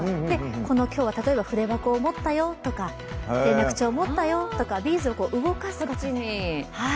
今日は例えば筆箱を持ったよとか、連絡帳を持ったよとかビーズを動かすと。